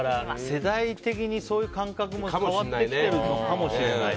世代的にそういう感覚も変わってきてるのかもしれない。